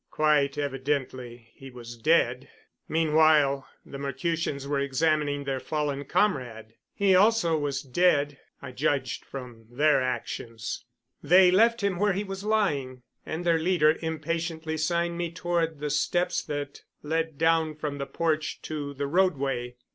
Quite evidently he was dead. Meanwhile the Mercutians were examining their fallen comrade. He also was dead, I judged from their actions. They left him where he was lying, and their leader impatiently signed me toward the steps that led down from the porch to the roadway.